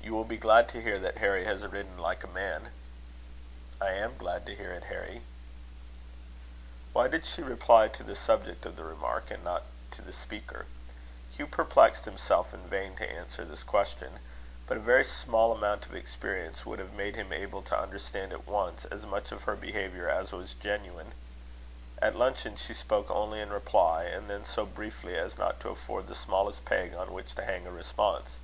"You will be glad to hear that Harry has ridden like a man." "I am glad to hear it, Harry." Why did she reply to the subject of the remark, and not to the speaker? Hugh perplexed himself in vain to answer this question; but a very small amount of experience would have made him able to understand at once as much of her behaviour as was genuine. At luncheon she spoke only in reply; and then so briefly, as not to afford the smallest peg on which to hang a response.